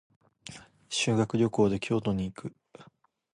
修学旅行で京都に行く。